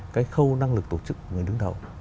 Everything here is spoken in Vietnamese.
cái khâu năng lực tổ chức của người đứng đầu